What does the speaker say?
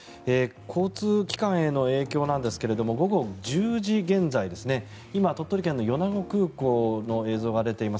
交通機関への影響ですが午後１０時現在今、鳥取県の米子空港の様子も出ています。